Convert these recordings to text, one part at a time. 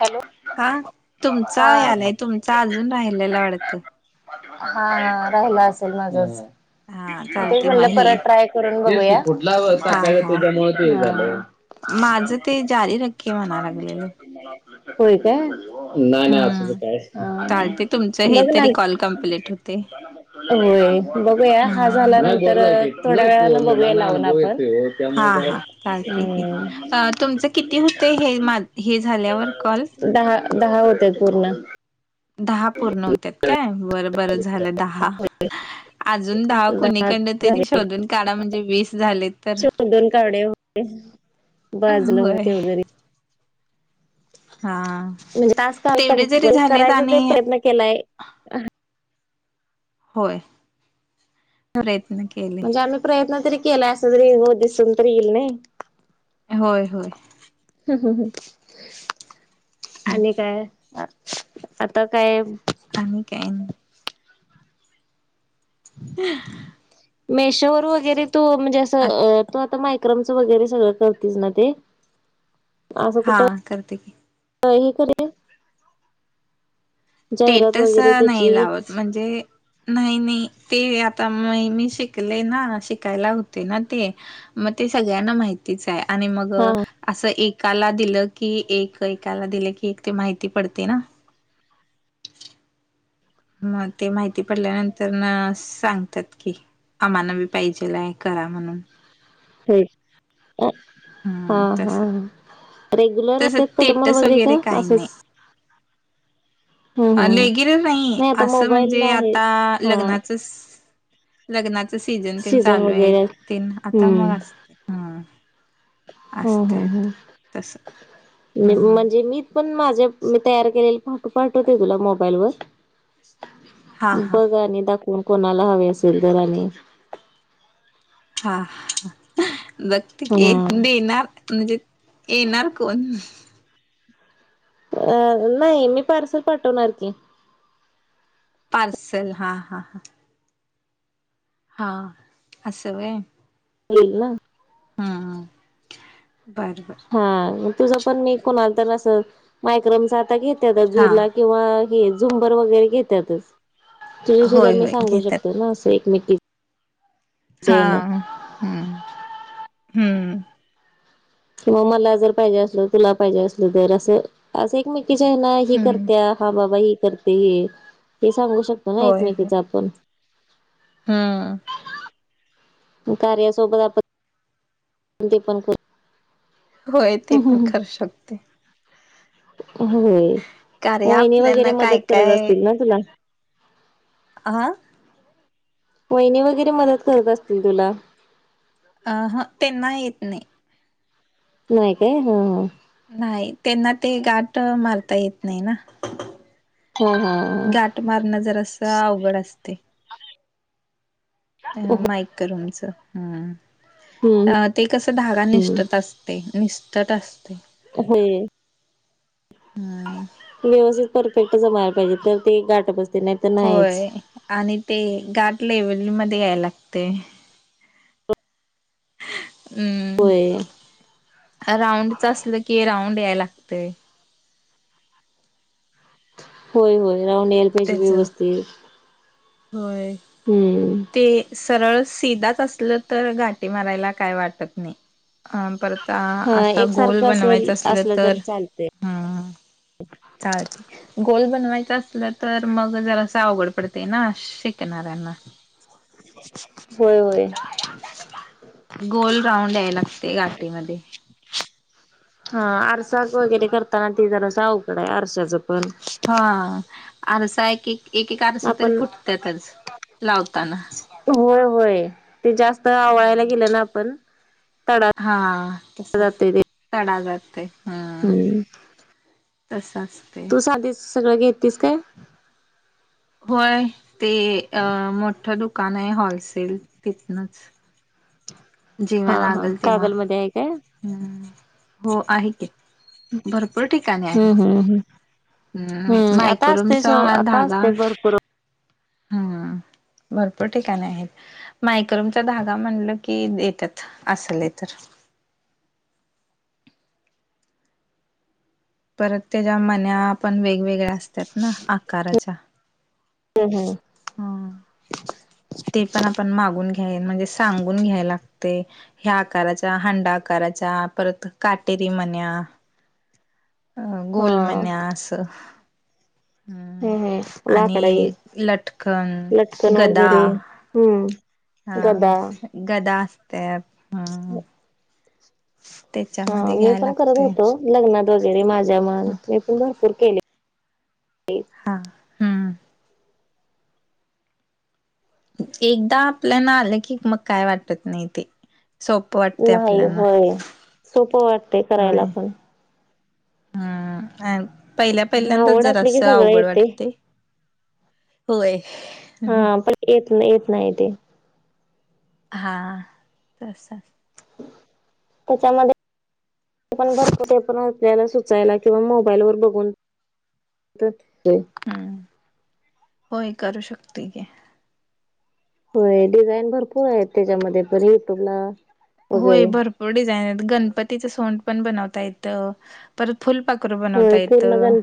Hello, हा तुमचा यालाय, तुमचा अजून राहिलेला वाडतं. हा राहिला असेल माझंच, हा पण तेच चालते मग म्हणलं हे परत ट्राय करून बघुया. हा, हा हा माझं ते जारी रखे म्हणा लागलेलं होय काय? नाहीं नाहीं असं तर हम्म कायच चालते तुमचं हे बघ ना तरी कॉल कम्प्लीट होते होय बघूया हा हम्म झाल्यानंतर थोड्या वेळानं बघूया लावून आपण. हा त्यामुळे काय हा चालते की ह्म्म्म अ तुमचं किती हुतंय हे मा हे झाल्यावर कॉल? दहा दहा होत्यात पूर्ण. दहा पूर्ण होत्यात काय बरं बरं झालं दहा. अजून दहा कुणीकंड तरी शोधून काढा म्हणजे वीस झालेत. शोधुन काढुया होय बाजलं हो होय तेवढं तरी. हा म्हणजे तास काल कम तेवढे जरी जे झालेत करायचा ते आणि प्रयत्न केलाय. होय प्रयत्न केलेय. म्हणजे आम्ही प्रयत्न तरी केलाय अस तरी हो दिसून तरी येईल नाही. होय होय. हं. आणि काय? आता काय आणि काही नाही. मेशोवर वगैरे तू म्हणजे आत असं तू आता माहि क्रमच वगैरे सगळं करतीस ना ते? असं हा कुठं करते की हे करलं जाहिरात स्टेटस वगैरे नाही त्याची. लावत म्हणजे नाही नाही ते आता म मी शिकले ना शिकायला होते ना ते मग ते सगळ्यांना माहितीच आहे आणि मग हा असं एकाला दिलं की एक एकाला दिलं की एक ते माहिती पडते ना. मग ते माहिती पडल्यानंतर ना सांगतात कि. आम्हाला बी पाहिजेलाय करा म्हणून. हे अ हा हम्म तस हा. रेग्युलर तस राहत्यात कस्टमर स्टेटस वगैरे का असेचं? अ रेगुलर नाही असं मोबाईलला म्हणजे आहे आता हा लग्नाचं लग्नाचं सीझन ते चालू आहे वगैरे तेन आता हम्म मग असते. हम् असते हम् हम् आता तस हम्म म्हणजे मी पण माझे मी तयार केलेले फोटो पाठवते तुला मोबाईलवर. हा हा बघ आणि दाखवून कोणाला हवे असेल तर आणि. हा बघते की हा देणार म्हणजे येणार कोण? अ नाही मी पार्सल पाठवणार की. पार्सल हा हा हा. हा असं व्हय. होईल ना. हम्म बर बर. हा तुझं पण मी कोणाला तर असं मायक्रोमचा आता घेत्यातचं हा झुला किंवा हे झुंबर वगैरे घेत्यातच. तुझं सुद्धा होय मी होय सांगू घेतात शकते ना असं एकमेकी हा हम हम्म किवा मला जर पाहिजे असल तुला पाहिजे असल तर असं असं एके जे नाहीं हे हम्म करते्या हा बाबा हेी करते हे हे सांगू शक ना होय होय एकमेकीचा आपण. हम्म. कार्या सोबत आपण ती पण क होय ते पण करू शकते. होय कार्य वहिनी वगैरे आपल्याना काय मदत करत असतील ना तुला? आ? वहिनी वगैरे मदत करत असतील तुला? अ ह त्यांना येत नाही. नाही काय हं हं. नाही त्यांना ते गाठ मारता येत नाही ना. हम्म हम्म. गाठ मारणं जरास अवघड असतय. हा. अ माईकरूमचं हम्म. हम्म अ ते कस धागा हम्म निष्ठत असतय निष्ठत असतय. होय हम्म. नियोजित परफेक्ट जमायला पाहिजे ते तर ते गाठ बसते नाहीतर नाहीच. होय आणि ते गाठ लेव्हलमध्ये याय लागते. हम्म होय राऊंडच असल की राऊंड याय लागतय. होय होय राऊंड याय ला त्याच होय. हम्म. ते सरळ सिधाच असल तर गाठी मारायला काय वाटत नाही. अं परत हा आता गोल एकसारखं असल बनवायचं असलं तर चालतय. हम चालत गोल बनवायच असल तर मग जरास अवघड पडतय ना शिकणाऱ्यांना. [inaudible] होय होय. गोल राऊंड याय लागतय गाटीमध्ये. हां आरसाक वगैरे करताना ते जरास अवघड आहे आरशाचं पण. हां आरसा एक एक एक एक आरसा तरी आपण फुटत्यातच. लावताना. होय होय ते जास्त आवळायला होय. गेलं ना आपण. तडा हा तस जातय ते तडा जातय. हम्म. तसाच. तू साधीस सगळं घेतीस काय? होय ते मोठं दुकान आहे होलसेल तिथनच. जेंव्हा लागल तेंव्हा. ते हाय काय? हो आहे की भरपूर ठिकाणी आहे. हम्म हम्म हम्म. हम्म म आता असते स मायक्रोमचा आता धागा असते भरपूर हम्म. भरपूर ठिकाणे आहेत. मायक्रोमचा धागा म्हणलं की देतात असलय तर. परत त्याच्या मन्या पण वेगवेगळ्या असतात ना आकाराच्या. हम्म हम्म. हम्म. ते पण आपण मागून घ्याय म्हणजे सांगून घ्याय लागतय. ह्या आकाराच्या, हांडा आकाराच्या, परत काटेरी मन्या. अ गोल हा मन्या असं, हम्. हम् हम्, लाकडाई लटकन लटकन गदा वगैरे, हम्म. हा गदा. गदा आस्त्यात, हं. हा, त्याच्यामध्ये मी घ्याय पण करत लागतय होतो. लग्नात वगैरे माझ्या मन, मी पण भरपूर केलंय. हा हम्म. एकदा आपल्याना आलं की मग काय वाटत नाही, ते सोप नाही होय, सोपं वाटतय करायला पण. अ पहिल्या पहिल्यांदाच आवड असली की जरासं सगळं अवघड येते वाटतय. होय. हा पण येत नाही, येत नाही ते. हा तस. त्याच्यामध्ये. आपण भरतो ते पण आपल्याला सुचायला किंवा मोबाईल वर बघून, तय. हम्म,, होय करू शकतय की. होय, डिझाईन भरपूर आहेत त्याच्यामध्ये, पण युट्यूबला. होय वगैरे भरपूर डिझाईन आहेत, गणपतीच सोंड पण बनवता येत, परत फुलपाखूर बनवता येतं.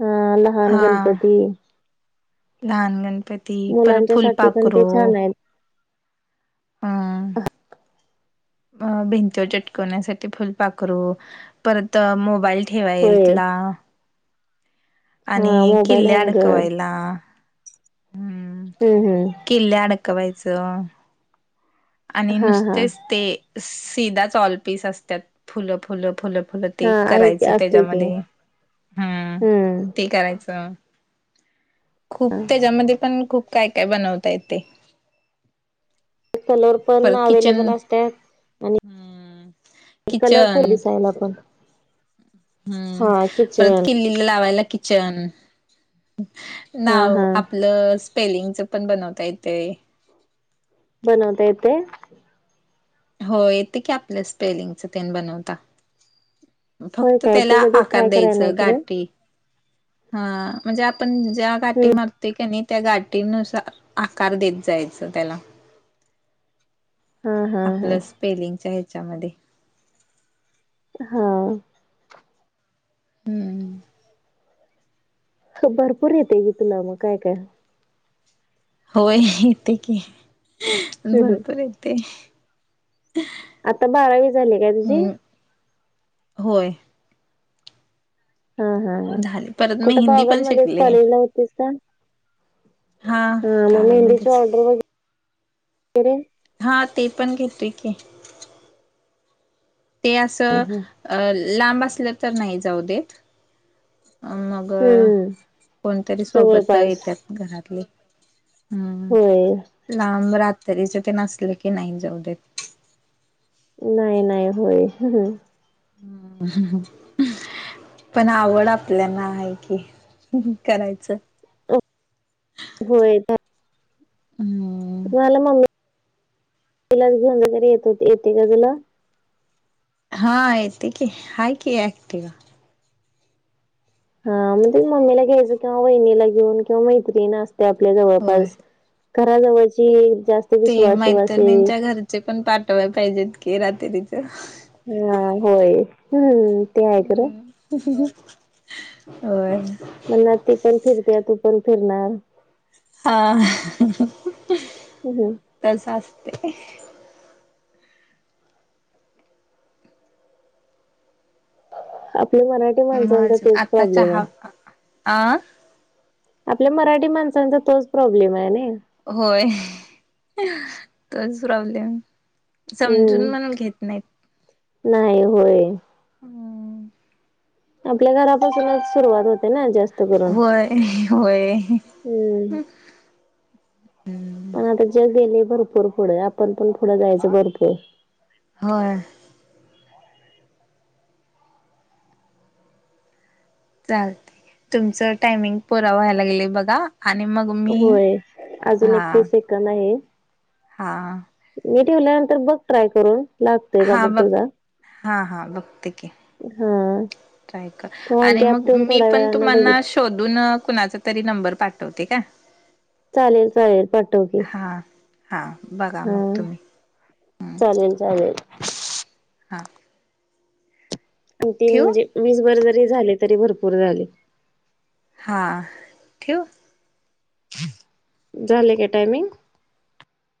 हां लहान हा गणपती. लहान गणपती परत मुलांच्या साठी पण ते फुलपाखरू, छान आहेत हम्म. [unintelligible] अ भिंतीवर चिटकवण्यासाठी फुल पाखरू, परत मोबाईल, ठेवायेल होय तला आणि हा मोबाईल किल्ली हँगर अडकवायला. हम्म हम्म. किल्ल्या अडकवायचं. आणि हा हा नुसतेच ते, सीधा च ऑल पीस असतात फुलं फुलं फुलं. फुलं हा ते आहे की करायचं असते की त्याच्यामध्ये, हम्म, हम्म ते करायचं. खूप, त्याच्यामध्ये पण खूप काय काय बनवता येतेय. कलर पण परत अवे्लेबल किचन असत्यात, आणि कलरफुल किचन दिसायला पण. हा हम्म, परत किचन किल्लीला लावायला किचन, हा नाव हा आपलं, स्पेलिंगच पण बनवता येतेय. बनवता येतय. हो येतय की आपल्या स्पेलिंगच तेन बनवता. होय फक्त काय त्याला ते कधी आकार ट्राय कराय नाही द्यायचं, खरं गाठी हा, म्हणजे आपण ज्या गाठी हम्म मारतोय का नाही, त्या गाठीनुसार आकार देत जायचं त्याला. हा हा आपलं हा स्पेलिंगच्या ह्याच्यामध्ये. हां. हम्म. भरपूर येतय की तुला मग काय, काय.. होय येतय की, हम्म हम्म भरपूर येतय. आता बारावी झाली काय तुझी? होय. हा हा ह झाले परत मी कुठं हिंदी पण कॉगलमध्ये शिकले कॉलेजला तेच का हा हा मग मेहंदीची कागलमध्येच ऑर्डर वगैरे केले? हा ते पण घेते की. ते असं, लांब असलं तर नाही जाऊ देत. मगं हम्म कोणतरी सोबत जवळपास येत्यात घरातले. हम्म होय लांब रात्रीचं तेन असलं की नाही जाऊ देत. नाही नाही होय. [inaudible] पण आवड आपल्याना हाय कि, करायचं. होय तं. हम् मला मम्मी घेऊन घरी येत होते का तुला? हा येते की, आहे की ॲक्टीवा. हा म्हणजे मम्मीला घ्यायचं किंवा वहिणीला घेऊन किंवा मैत्रिणी असते आपल्या होय जवळपास. घराजवळची जास्त विश्वासू असे. मैत्रिणींच्या ते घरचे पण पाठवायला पाहिजेत की, रात्रीचं. हा होय, हं ते आहे खरं. होय. म्हणणार, ती पण फिरते तू पण फिरणार. [inaudible] हो. तसं असतंय. आपल्या मराठी माणसांचा तेच प्रॉब्लेम आहे. आं आपल्या मराठी माणसांचा तोच प्रॉब्लेम आहे नाहि? होय तोच प्रॉब्लेम ये. समजून म्हणून हम्म घेत नाहीत. नाही होय आपल्या घरापासूनच सुरुवात होते ना जास्त. करून होय होय. हम्म [inaudible] पण आता जगहि लय भरपूर पुढंये. आपण पण पुढं जायचं भरपूर. होय चालतंय, तुमचं टायमिंग पुरा व्हायला लागेलय बघा. आणि मगुम होय, अजून एकतीस सेकंद आहे. हा मी ठेवल्यानंतर बघ ट्राय करून, लागतय का बघ तुझा. हा हा बघते की. हा किंवा आणि गॅप मग ठेवून मी थोड्या पण वेळान तुम्हाना बघित शोधून कुणाचा तरी नंबर पाठवते का? चालेल, चालेल पाठव की. हा हा बघा मग हम, तुम्ही चालेल, चालेल. हां अ तीन म्हणजे वीस वर जरी झाले तरी भरपूर झाले. हां, ठेवू. झाले काय टायमिंग?